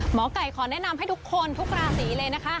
หมอไก่ขอแนะนำให้ทุกคนทุกราศีเลยนะคะ